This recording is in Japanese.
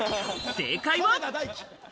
正解は。